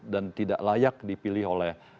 dan tidak layak dipilih oleh